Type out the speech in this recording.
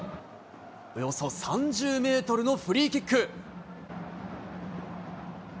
およそ３０メートルのフリーキック。